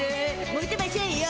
モテましぇんよ。